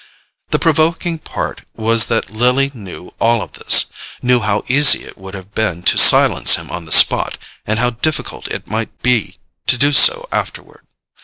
The provoking part was that Lily knew all this—knew how easy it would have been to silence him on the spot, and how difficult it might be to do so afterward.